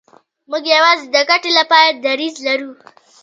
موږ یوازې د ګټې لپاره دریځ لرو.